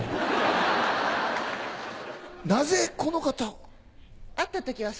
なぜこの方を？